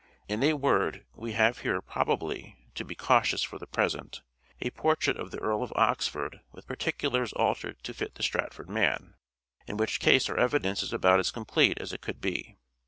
In a word we have here probably (to be cautious for the present) a portrait of the Earl of Oxford with particulars altered to fit the Stratford man : in which case our evidence is about as complete as it could be.